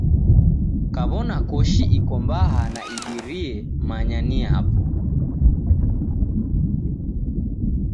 Kaw'ona koshi iko mbaha na ibirie manya ni yapo.